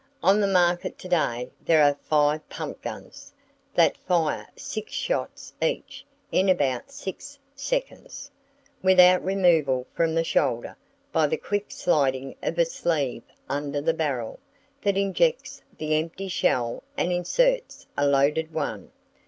On the market to day there are five pump guns, that fire six shots each, in about six seconds, without removal from the shoulder, by the quick sliding of a sleeve under the barrel, that ejects the empty shell and inserts a loaded one.